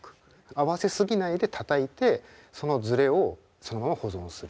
合わせ過ぎないでたたいてそのズレをそのまま保存する。